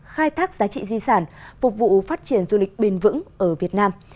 các giá trị di sản phục vụ phát triển du lịch bền vững ở việt nam